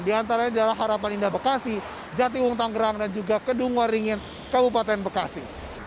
di antaranya adalah harapan indah bekasi jatiwung tanggerang dan juga kedung waringin kabupaten bekasi